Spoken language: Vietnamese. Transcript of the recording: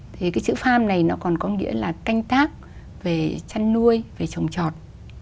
thì cái chữ farm này nó còn có nghĩa là canh tác về chăn nuôi về trồng trọt